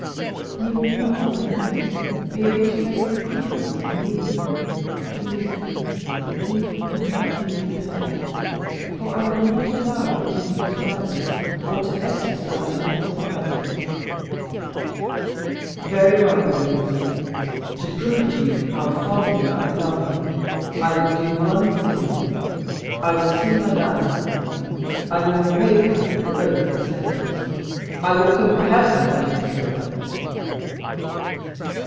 "You will not, I know, be able to make either of them yield; believe me, the evil cannot be repaired, for I will not allow you to use violence, or to exercise your authority." "Very well, Louise, to prove to you how fondly I love you, I will do one thing, I will see Madame; I will make her revoke her sentence, I will compel her to do so."